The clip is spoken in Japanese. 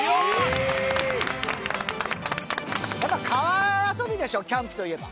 やっぱ川遊びでしょキャンプといえば。